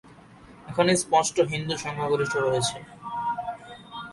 এখানে স্পষ্ট হিন্দু সংখ্যাগরিষ্ঠ রয়েছে।